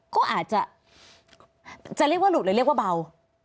ก็อาจจะเรียกว่าหลุดเลยเรียกว่าเบา